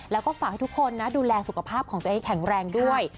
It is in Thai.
แล้วก็ฝากให้ทุกคนนะดูแลสุขภาพของตัวเองให้แข็งแรงด้วย